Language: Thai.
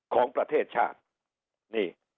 ของประเทศชาติ